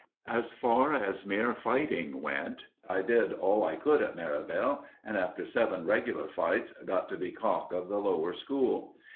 As far as mere fighting went, I did all I could at Merivale, and, after seven regular fights, got to be cock of the Lower School.